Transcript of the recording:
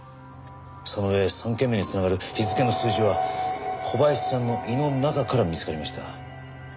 その上３件目に繋がる日付の数字は小林さんの胃の中から見つかりました。